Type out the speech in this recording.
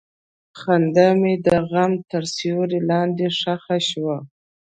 خندا مې د غم تر سیوري لاندې ښخ شوه.